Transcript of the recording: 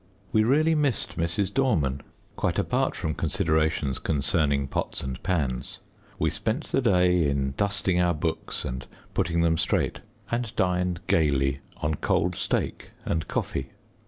We really missed Mrs. Dorman, quite apart from considerations concerning pots and pans. We spent the day in dusting our books and putting them straight, and dined gaily on cold steak and coffee.